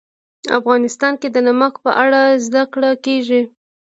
افغانستان کې د نمک په اړه زده کړه کېږي.